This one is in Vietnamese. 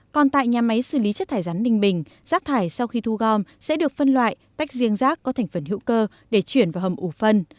còn tại nhà máy xử lý chất thải rắn ninh bình rác thải sau khi thu gom sẽ được phân loại tách riêng rác có thành phần hữu cơ để chuyển vào hầm ủ phân